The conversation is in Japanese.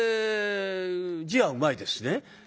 字はうまいですしね。